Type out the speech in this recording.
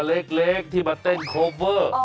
เด็กตัวเล็กที่มาเต้นโคเวอร์